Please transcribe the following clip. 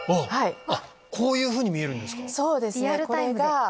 こういうふうに見えるんですか。